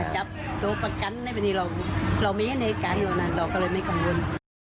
แล้วก็ไปสอนอยู่ภังล่างนู้น